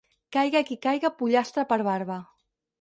Caiga qui caiga, pollastre per barba.